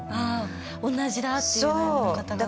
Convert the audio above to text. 同じだっていう悩みの方が。